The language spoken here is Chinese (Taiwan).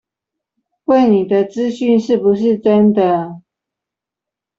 餵你的資訊是不是真的